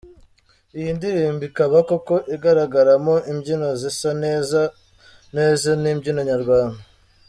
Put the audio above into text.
Iyi ndirimbo ikaba koko igaragaramo imbyino zisa neza neza n’imbyino Nyarwanda.